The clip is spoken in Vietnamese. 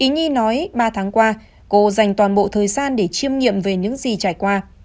nhi nói ba tháng qua cô dành toàn bộ thời gian để chiêm nghiệm về những gì trải qua